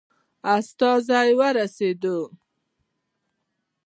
استازی ورسېدی.